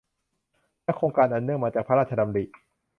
และโครงการอันเนื่องมาจากพระราชดำริ